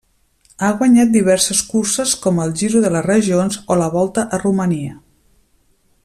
Ha guanyat diverses curses com el Giro de les Regions o la Volta a Romania.